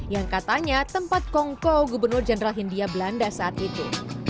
yang katanya tempat kongko gubernur jenderal hindia belanda saat itu